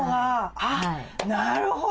あなるほど。